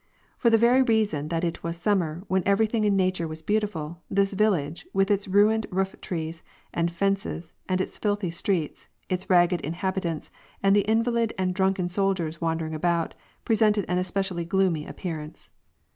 For the very reason that it was summer, when every thing in nature was beautiful, this village, with its ruined roof trees and fences and its filthy streets, its ragged inhabitants, and the invalid and drunken soldiers wandering about, pre sented an especially gloomy appearance.